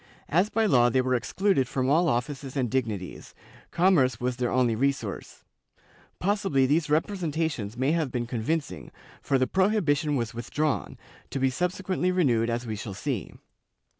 As by law they were excluded from all offices and dignities, commerce was their only resource.^ Possibly these representations may have been convincing, for the prohibition was withdrawn, to be subsequently renewed as we shall see.